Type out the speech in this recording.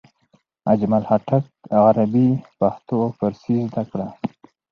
اجمل خټک عربي، پښتو او فارسي زده کړه.